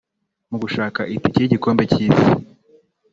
Mu gushaka itike y’igikombe cy’isi